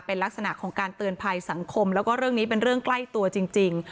เป็นลักษณะของการเตือนภัยสังคมแล้วก็เรื่องนี้เป็นเรื่องใกล้ตัวจริง